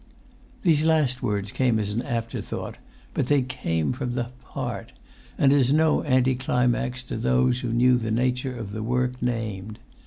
The last words came as an after thought, but they came from the heart, and as no anti climax to those who knew the nature of the work named.